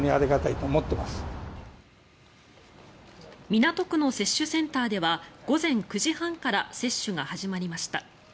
港区の接種センターでは午前９時半から接種が始まりました。